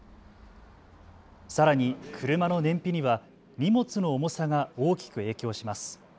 さらに車の燃費には荷物の重さが大きく影響します。